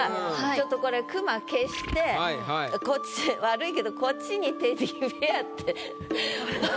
ちょっとこれ「クマ」消してこっち悪いけどこっちに「テディベア」ってふふっ。